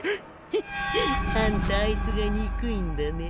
フッあんたあいつがにくいんだね？